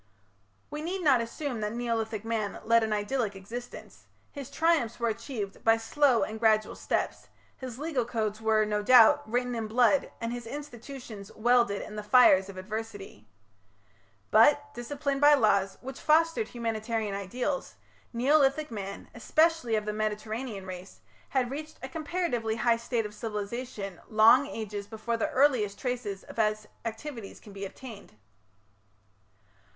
We need not assume that Neolithic man led an idyllic existence; his triumphs were achieved by slow and gradual steps; his legal codes were, no doubt, written in blood and his institutions welded in the fires of adversity. But, disciplined by laws, which fostered humanitarian ideals, Neolithic man, especially of the Mediterranean race, had reached a comparatively high state of civilization long ages before the earliest traces of his activities can be obtained.